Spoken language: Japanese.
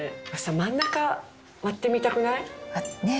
真ん中割ってみたくない？ねえ。